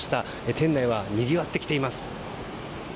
店内は、にぎわってきています。